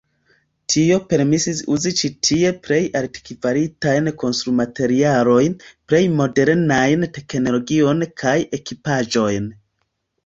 Tio permesis uzi ĉi tie plej altkvalitajn konstrumaterialojn, plej modernajn teknologion kaj ekipaĵojn.